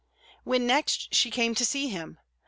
When next she came to see him!